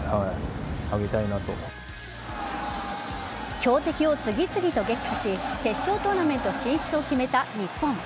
強敵を次々と撃破し決勝トーナメント進出を決めた日本。